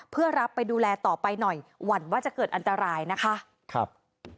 เพื่อรับไปดูแลต่อไปหน่อยหวั่นว่าจะเกิดอันตรายนะคะครับ